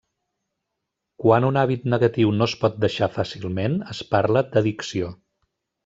Quan un hàbit negatiu no es pot deixar fàcilment, es parla d'addicció.